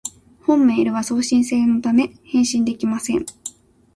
本メールは送信専用のため、返信できません